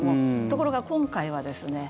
ところが今回はですね